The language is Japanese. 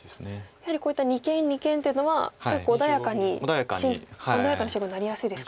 やはりこういった二間二間というのは結構穏やかに穏やかな進行になりやすいですか。